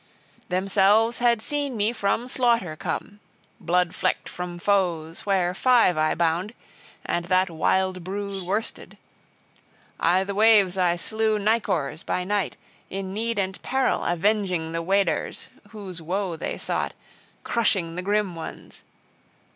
Themselves had seen me from slaughter come blood flecked from foes, where five I bound, and that wild brood worsted. I' the waves I slew nicors {6a} by night, in need and peril avenging the Weders, {6b} whose woe they sought, crushing the grim ones.